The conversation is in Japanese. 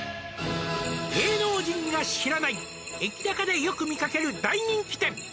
「芸能人が知らない」「駅ナカでよく見かける大人気店」